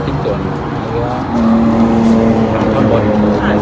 เขาอยู่ของงานใช่ไหมครับ